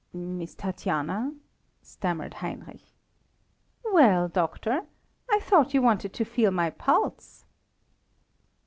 "Miss Tatiana?" stammered Heinrich. "Well, doctor! I thought you wanted to feel my pulse!"